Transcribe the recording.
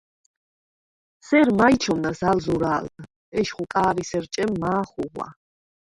სერ მაჲ ჩომნას ალ ზურა̄ლდ: ეშხუ კა̄რისერ ჭემ მა̄ ხუღვა.